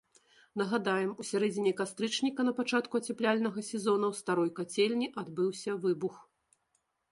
Нагадаем, у сярэдзіне кастрычніка на пачатку ацяпляльнага сезона ў старой кацельні адбыўся выбух.